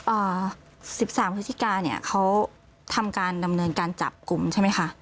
อ่าสิบสามพฤศจิกาเนี่ยเขาทำการดำเนินการจับกลุ่มใช่ไหมคะ